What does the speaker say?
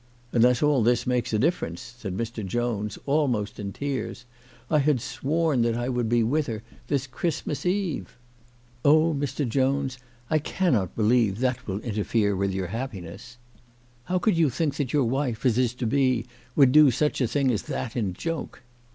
'' Unless all this maKes a difference," said Mr. Jones, almost in tears. " I had sworn that I would be with her this Christmas Eve." " Oh, Mr. Jones, I cannot believe that will interfere 244 CHRISTMAS AT THOMPSON HALL. with your happiness. How could you think that your wife, as is to be, would do such a thing as that in joke